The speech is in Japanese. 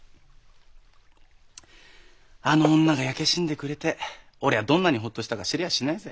あの女が焼け死んでくれて俺はどんなにほっとしたかしれやしないぜ。